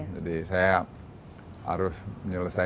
jadi saya harus menyelesaikan